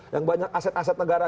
yang banyak aset aset negara